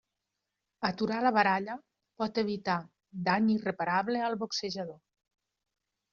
Aturar la baralla pot evitar dany irreparable al boxejador.